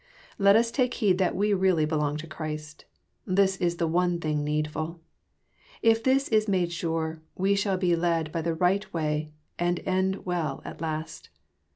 Let us take heed that we really belong to Christ. This is the one thing needful. If this is made sure, we shall be led by the right wa}^, and end well at last.